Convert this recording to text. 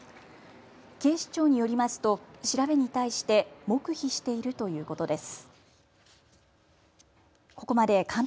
警視庁によりますと調べに対して黙秘しているということです。